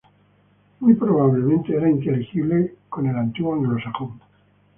Muy probablemente era inteligible con el antiguo anglosajón.